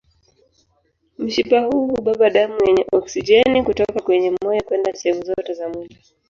Mshipa huu hubeba damu yenye oksijeni kutoka kwenye moyo kwenda sehemu zote za mwili.